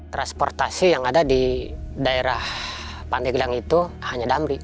transportasi yang ada di daerah pandeglang itu hanya damri